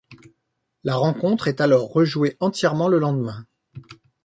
La rencontre est alors rejouée entièrement le lendemain.